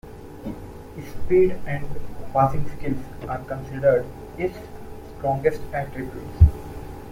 His speed and passing skills are considered his strongest attributes.